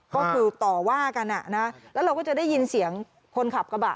ก็คือต่อว่ากันแล้วเราก็จะได้ยินเสียงคนขับกระบะ